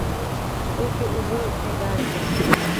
Толькі ўжо з медалькай.